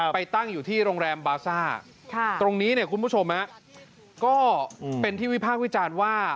ตั้งอยู่ที่โรงแรมบาซ่าตรงนี้เนี่ยคุณผู้ชมก็เป็นที่วิพากษ์วิจารณ์ว่า